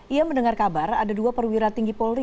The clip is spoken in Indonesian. ia mendengar kabar ada dua perwira tinggi polri